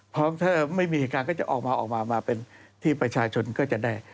เพราะถ้าไม่มีเหตุการณ์ก็จะออกมาออกมาเป็นที่ประชาชนก็จะได้